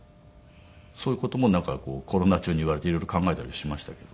そういう事もコロナ中に言われて色々考えたりしましたけど。